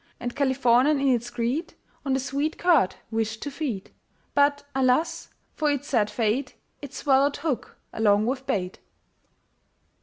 And Californian in its greed, On the sweet curd wished to feed; But, alas, for it's sad fate, It swallowed hook along with bait.